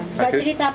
tidak cerita apa